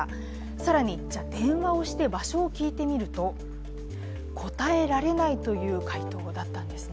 更に、じゃあ電話をして場所を聞いてみると、答えられないという回答だったんですね。